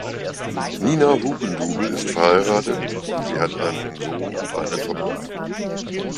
Nina Hugendubel ist verheiratet, sie hat einen Sohn und eine Tochter.